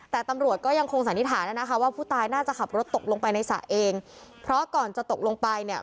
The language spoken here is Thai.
แต่ตำรวจก็ยังคงสันนิษฐานนะคะว่าผู้ตายน่าจะขับรถตกลงไปในสระเองเพราะก่อนจะตกลงไปเนี่ย